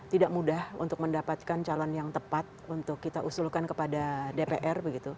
tidak mudah untuk mendapatkan calon yang tepat untuk kita usulkan kepada dpr